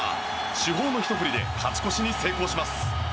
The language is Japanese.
主砲のひと振りで勝ち越しに成功します。